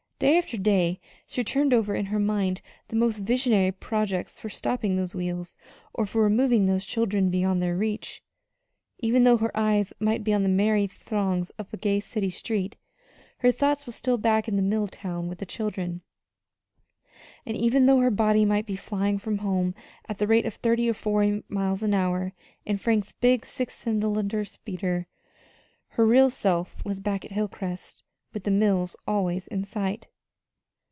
Day after day she turned over in her mind the most visionary projects for stopping those wheels, or for removing those children beyond their reach. Even though her eyes might be on the merry throngs of a gay city street her thoughts were still back in the mill town with the children; and even though her body might be flying from home at the rate of thirty or forty miles an hour in Frank's big six cylinder Speeder, her real self was back at Hilcrest with the mills always in sight.